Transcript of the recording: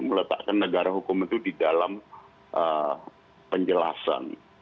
meletakkan negara hukum itu di dalam penjelasan